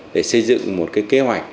để xây dựng một cái kế hoạch